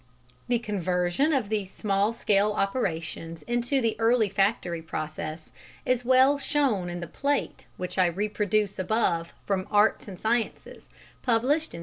_ The conversion of these small scale operations into the early factory process is well shown in the plate which I reproduce above from Arts and Sciences, published in 1768.